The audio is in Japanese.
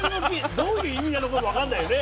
どういう意味なのかもわかんないよね。